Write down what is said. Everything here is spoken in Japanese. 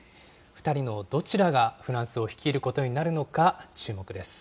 ２人のどちらがフランスを率いることになるのか、注目です。